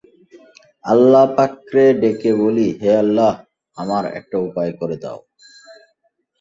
আল্লাহপাকরে ডেকে বলি-হে আল্লাহ্, আমার একটা উপায় করে দাও।